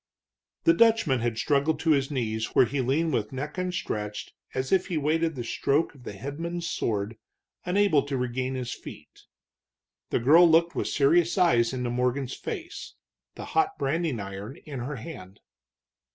The Dutchman had struggled to his knees, where he leaned with neck outstretched as if he waited the stroke of the headsman's sword, unable to regain his feet. The girl looked with serious eyes into Morgan's face, the hot branding iron in her hand.